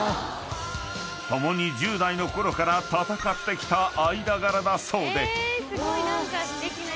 ［共に１０代のころから戦ってきた間柄だそうで］